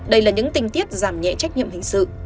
đây là những tình tiết giảm nhẹ trách nhiệm hình sự